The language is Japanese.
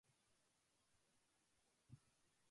鉄筋コンクリート